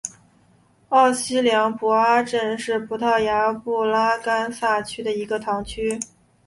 奥西良博阿镇是葡萄牙布拉干萨区的一个堂区。